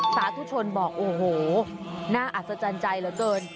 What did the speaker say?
สาธุชนบอกโอ้โหน่าอัศจรรย์ใจเหลือเกิน